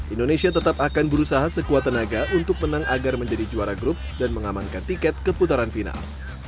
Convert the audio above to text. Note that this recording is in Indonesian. indonesia tetap akan berusaha sekuat tenaga untuk menang agar menjadi juara grup dan mengamankan tiket keputaran final